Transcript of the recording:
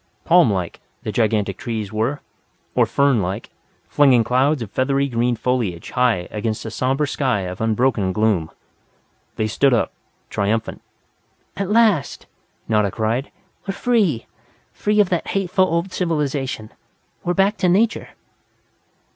Palm like, the gigantic trees were, or fern like, flinging clouds of feathery green foliage high against a somber sky of unbroken gloom. They stood up, triumphant. "At last!" Nada cried. "We're free! Free of that hateful old civilization! We're back to Nature!"